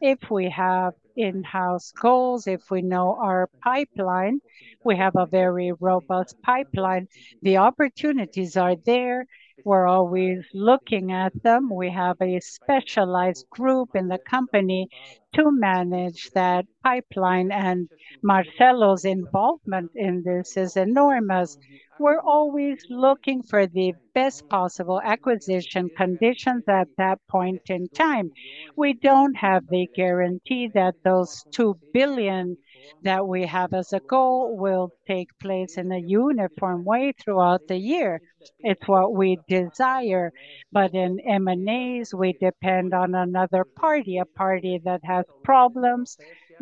If we have in-house goals, if we know our pipeline, we have a very robust pipeline. The opportunities are there. We're always looking at them. We have a specialized group in the company to manage that pipeline, and Marcelo's involvement in this is enormous. We're always looking for the best possible acquisition conditions at that point in time. We don't have the guarantee that those 2 billion that we have as a goal will take place in a uniform way throughout the year. It's what we desire. In M&As, we depend on another party, a party that has problems,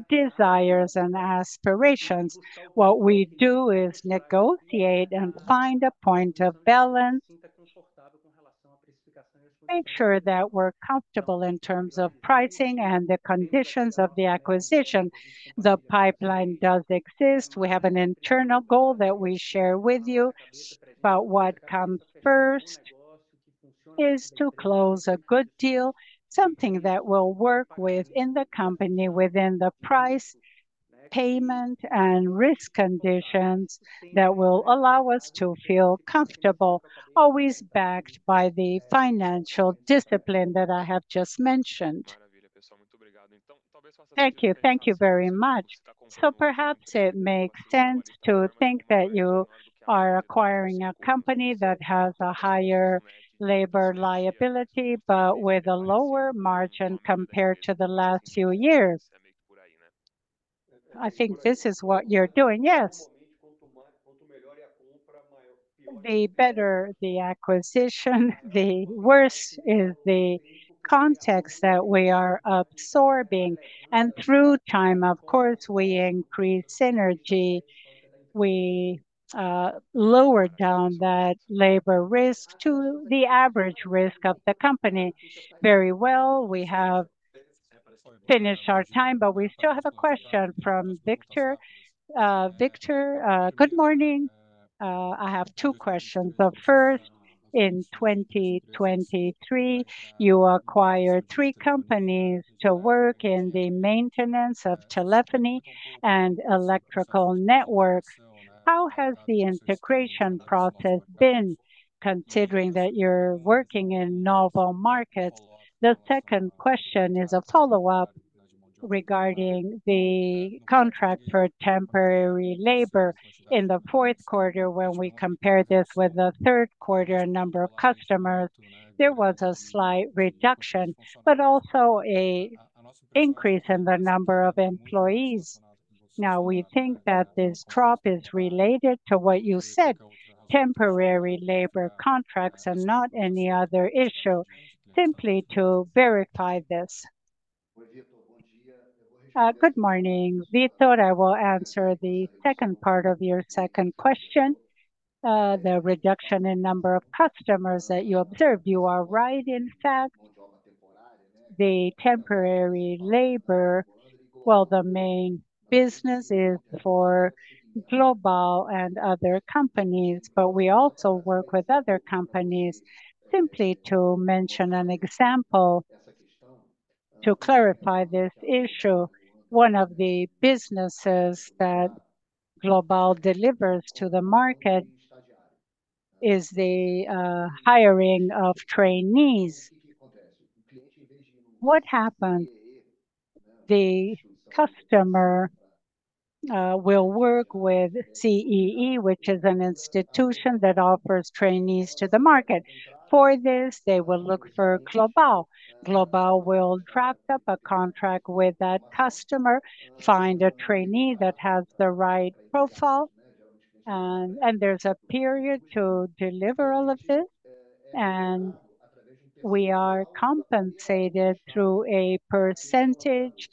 desires, and aspirations. What we do is negotiate and find a point of balance, make sure that we're comfortable in terms of pricing and the conditions of the acquisition. The pipeline does exist. We have an internal goal that we share with you. What comes first is to close a good deal, something that will work within the company, within the price, payment, and risk conditions that will allow us to feel comfortable, always backed by the financial discipline that I have just mentioned. Thank you. Thank you very much. Perhaps it makes sense to think that you are acquiring a company that has a higher labor liability, but with a lower margin compared to the last few years. I think this is what you're doing. Yes. The better the acquisition, the worse is the context that we are absorbing. Through time, of course, we increase synergy. We lower down that labor risk to the average risk of the company. Very well. We have finished our time, but we still have a question from Victor. Victor. Good morning. I have two questions. The first. In 2023, you acquired three companies to work in the maintenance of telephony and electrical networks. How has the integration process been considering that you're working in novel markets? The second question is a follow-up regarding the contract for temporary labor. In the fourth quarter, when we compare this with the third quarter number of customers, there was a slight reduction, but also a increase in the number of employees. Now, we think that this drop is related to what you said, temporary labor contracts and not any other issue. Simply to verify this. Good morning, Victor. I will answer the second part of your second question. The reduction in number of customers that you observed, you are right. In fact, the temporary labor, well, the main business is for Global and other companies, but we also work with other companies. Simply to mention an example to clarify this issue, one of the businesses that Global delivers to the market is the hiring of trainees. What happened? The customer will work with CEE, which is an institution that offers trainees to the market. For this, they will look for Global. Global will draft up a contract with that customer, find a trainee that has the right profile, and there's a period to deliver all of this, and we are compensated through a percentage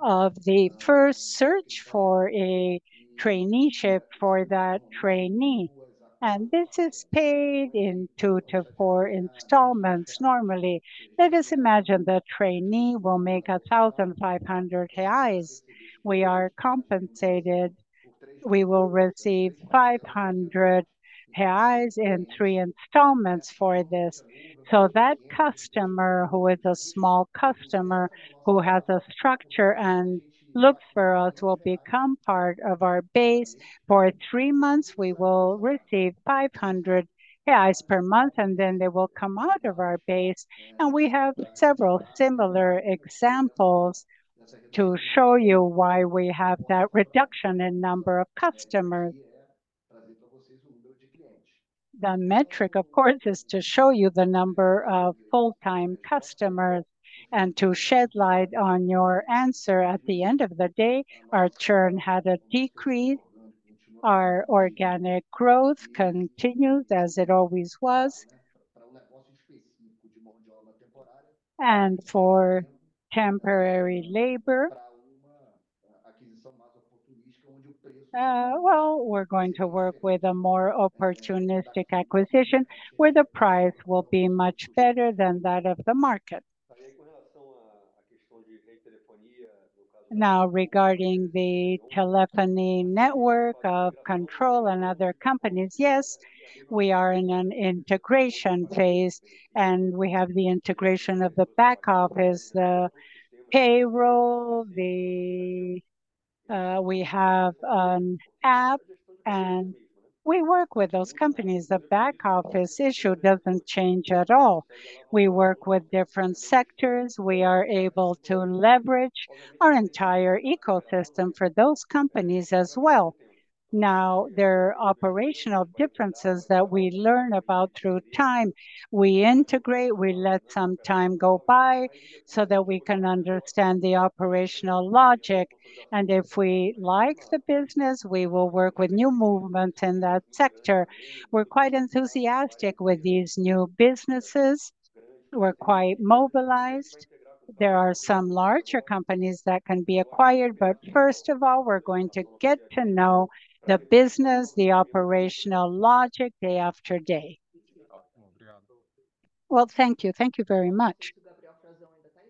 of the first search for a traineeship for that trainee. This is paid in two to four installments normally. Let us imagine the trainee will make 1,500 reais. We will receive 500 reais in three installments for this. That customer, who is a small customer, who has a structure and look for us, will become part of our base. For three months, we will receive 500 reais per month, and then they will come out of our base. We have several similar examples to show you why we have that reduction in number of customers. The metric, of course, is to show you the number of full-time customers. To shed light on your answer, at the end of the day, our churn had a decrease. Our organic growth continued as it always was. For temporary labor, well, we're going to work with a more opportunistic acquisition where the price will be much better than that of the market. Now, regarding the telephony network of Control and other companies, yes, we are in an integration phase, and we have the integration of the back office, the payroll. We have an app and we work with those companies. The back office issue doesn't change at all. We work with different sectors. We are able to leverage our entire ecosystem for those companies as well. Now, there are operational differences that we learn about through time. We integrate, we let some time go by so that we can understand the operational logic, and if we like the business, we will work with new movement in that sector. We're quite enthusiastic with these new businesses. We're quite mobilized. There are some larger companies that can be acquired, but first of all, we're going to get to know the business, the operational logic day after day. Well, thank you. Thank you very much.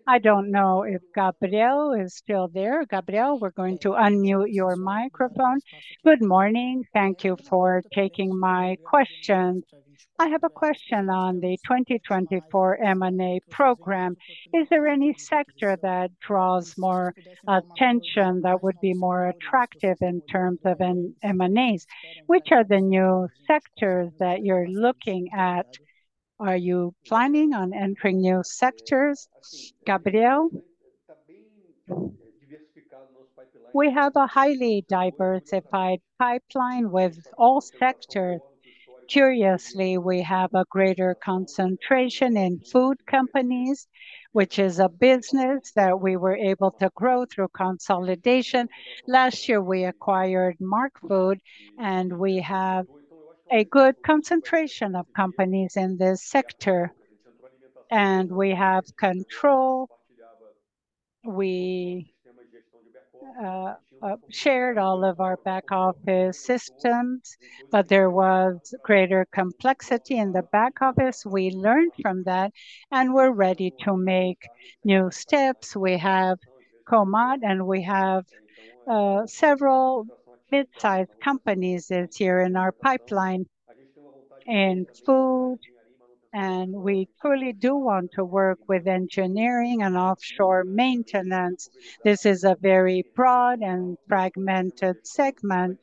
I don't know if Gabriel is still there. Gabriel, we're going to unmute your microphone. Good morning. Thank you for taking my questions. I have a question on the 2024 M&A program. Is there any sector that draws more attention that would be more attractive in terms of an M&As? Which are the new sectors that you're looking at? Are you planning on entering new sectors? Gabriel, we have a highly diversified pipeline with all sectors. Curiously, we have a greater concentration in food companies, which is a business that we were able to grow through consolidation. Last year, we acquired Martfood. We have a good concentration of companies in this sector. We have Control. We shared all of our back office systems, but there was greater complexity in the back office. We learned from that. We're ready to make new steps. We have [Comad]. We have several mid-sized companies that's here in our pipeline. In food, we truly do want to work with engineering and offshore maintenance. This is a very broad and fragmented segment.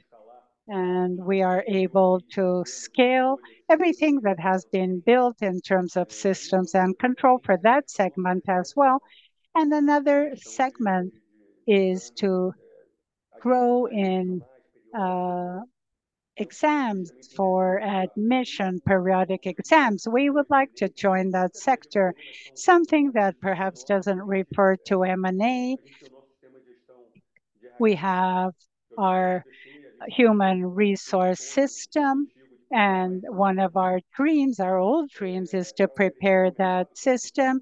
We are able to scale everything that has been built in terms of systems and control for that segment as well. Another segment is to grow in exams for admission, periodic exams. We would like to join that sector, something that perhaps doesn't refer to M&A. We have our human resource system. One of our dreams, our old dreams, is to prepare that system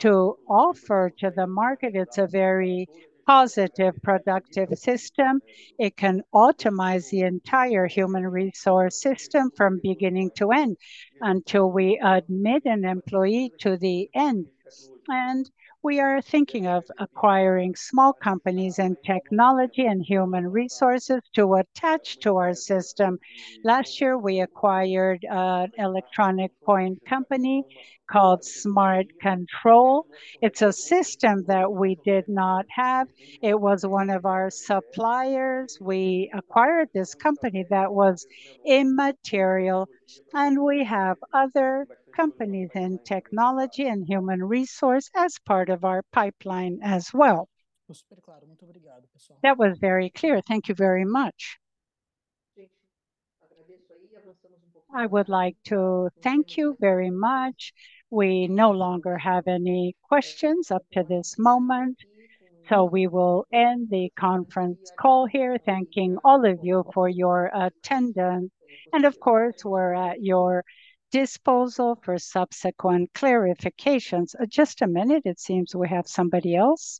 to offer to the market. It's a very positive, productive system. It can automate the entire human resource system from beginning to end until we admit an employee to the end. We are thinking of acquiring small companies in technology and human resources to attach to our system. Last year, we acquired an electronic point company called Smart Control. It's a system that we did not have. It was one of our suppliers. We acquired this company that was immaterial. We have other companies in technology and human resource as part of our pipeline as well. That was very clear. Thank you very much. I would like to thank you very much. We no longer have any questions up to this moment, so we will end the conference call here, thanking all of you for your attendance. Of course, we're at your disposal for subsequent clarifications. Just a minute, it seems we have somebody else-